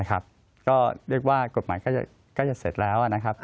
ก็เรียกว่ากฎหมายก็จะเสร็จแล้วนะครับ